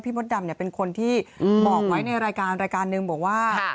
มดดำเป็นคนที่บอกไว้ในรายการรายการหนึ่งบอกว่า